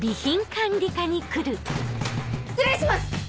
失礼します。